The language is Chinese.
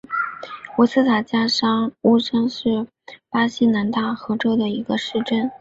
维斯塔加乌沙是巴西南大河州的一个市镇。